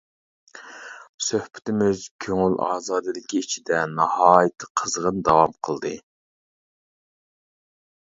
سۆھبىتىمىز كۆڭۈل ئازادىلىكى ئىچىدە ناھايىتى قىزغىن داۋام قىلدى.